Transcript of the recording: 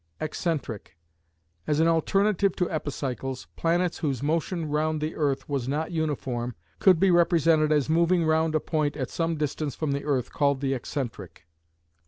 Excentric: As an alternative to epicycles, planets whose motion round the earth was not uniform could be represented as moving round a point some distance from the earth called the excentric.